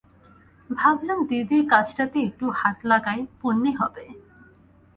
ভাবলুম দিদির কাজটাতে একটু হাত লাগাই, পুণ্যি হবে।